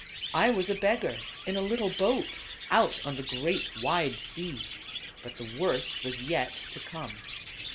I was a beggar, in a little boat, out on the great, wide sea. But the worst was yet to come.